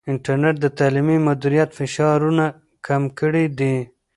انټرنیټ د تعلیمي مدیریت فشارونه کم کړي دي.